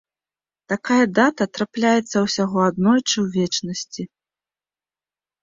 Такая дата трапляецца ўсяго аднойчы ў вечнасці.